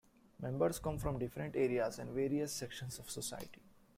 Members come from different areas and various sections of society.